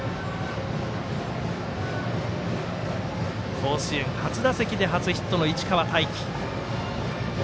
甲子園初打席で初ヒットの市川大義。